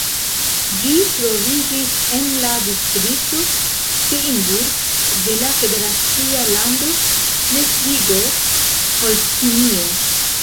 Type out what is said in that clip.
Ĝi troviĝis en la distrikto Steinburg de la federacia lando Ŝlesvigo-Holstinio.